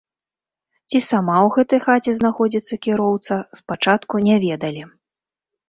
Ці сама ў гэтай хаце знаходзіцца кіроўца, спачатку не ведалі.